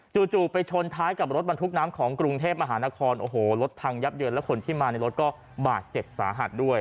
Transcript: ไปชนท้ายกับรถบรรทุกน้ำของกรุงเทพมหานครโอ้โหรถพังยับเยินแล้วคนที่มาในรถก็บาดเจ็บสาหัสด้วย